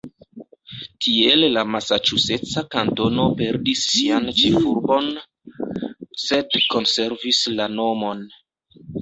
Tiel la masaĉuseca kantono perdis sian ĉefurbon, sed konservis la nomon.